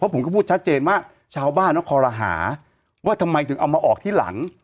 ผมก็พูดชัดเจนว่าชาวบ้านเขาคอรหาว่าทำไมถึงเอามาออกที่หลัง